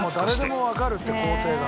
誰でもわかるって工程が。